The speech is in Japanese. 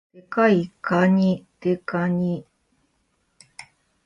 デカいかに、デカニ